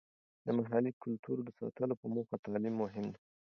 د محلي کلتور د ساتلو په موخه تعلیم مهم دی.